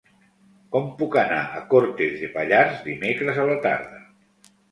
Com puc anar a Cortes de Pallars dimecres a la tarda?